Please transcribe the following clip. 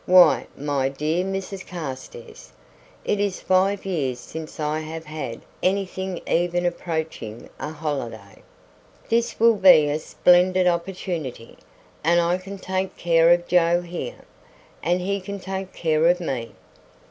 "Why, my dear Mrs Carstairs, it is five years since I have had anything even approaching a holiday. This will be a splendid opportunity; and I can take care of Joe here, and he can take care of me."